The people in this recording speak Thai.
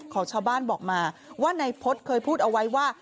ของชาวบ้านบอกมาว่านายพฤษเคยพูดเอาไว้ว่า